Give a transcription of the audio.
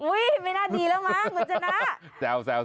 อุ้ยไม่น่าดีแล้วมั้งมันจะนะ